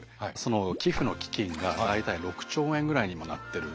寄付の基金が大体６兆円ぐらいに今なってるんですね。